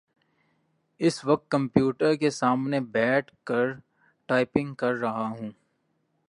اس وقت کمپیوٹر کے سامنے بیٹھ کر ٹائپنگ کر رہا ہوں